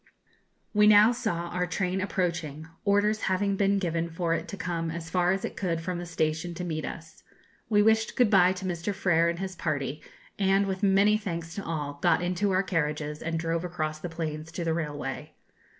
We now saw our train approaching, orders having been given for it to come as far as it could from the station to meet us. We wished good bye to Mr. Frer and his party, and, with many thanks to all, got into our carriages and drove across the plains to the railway.